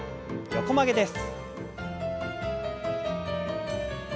横曲げです。